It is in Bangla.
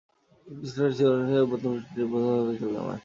কিংস্টনে অনুষ্ঠিত সিরিজের প্রথম টেস্টে তিনি প্রথমবারের মতো খেলতে নামেন।